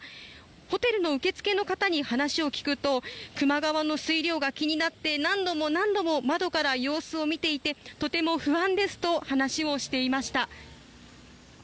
ホテルの受付の方に話を聞くと球磨川の水量が気になって何度も何度も窓から様子を見ていてとても不安ですと話をしていました。